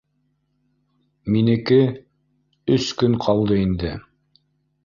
Минеке? Өс көн ҡалды инде